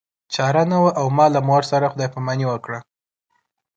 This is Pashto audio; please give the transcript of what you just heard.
چاره نه وه او ما له مور سره خدای پاماني وکړه